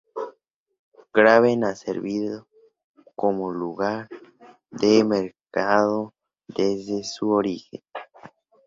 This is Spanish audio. Graben ha servido como lugar de mercado desde su origen.